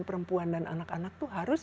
perempuan dan anak anak itu harus